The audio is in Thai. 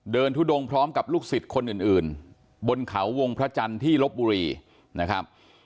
ทุดงพร้อมกับลูกศิษย์คนอื่นบนเขาวงพระจันทร์ที่ลบบุรีนะครับ